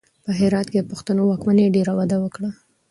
په هرات کې د پښتنو واکمنۍ ډېره وده وکړه.